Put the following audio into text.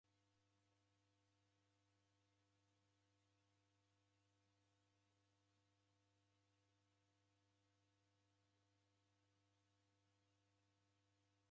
Aw'o w'aw'I w'elemwa ni kusikirana.